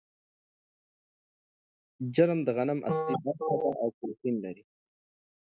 جرم د غنم اصلي برخه ده او پروټین لري.